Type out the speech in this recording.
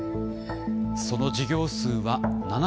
その事業数は７１２。